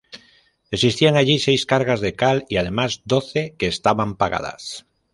Existían allí seis cargas de cal y además doce que estaban pagadas.